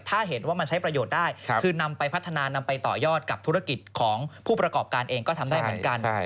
ถ้าเห็นว่ามันใช้ประโยชน์ได้คือนำไปพัฒนานำไปต่อยอดกับธุรกิจของผู้ประกอบการเองก็ทำได้เหมือนกัน